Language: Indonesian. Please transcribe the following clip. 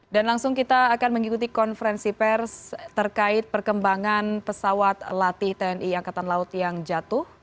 dan langsung kita akan mengikuti konferensi pers terkait perkembangan pesawat latih tni angkatan laut yang jatuh